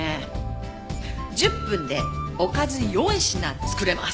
１０分でおかず４品作れます！